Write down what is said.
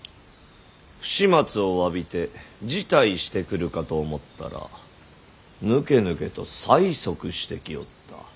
不始末をわびて辞退してくるかと思ったらぬけぬけと催促してきおった。